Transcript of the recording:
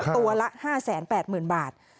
ตัวละ๕๘๐๐๐บาท